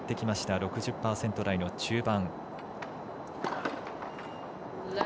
６０％台の中盤。